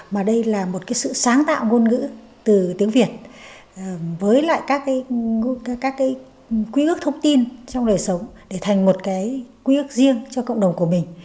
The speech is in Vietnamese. mà đây là một cái sự sáng tạo ngôn ngữ từ tiếng việt với lại các cái quy ước thông tin trong đời sống để thành một cái quy ước riêng cho cộng đồng của mình